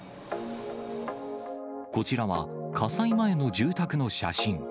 こちらは、火災前の住宅の写真。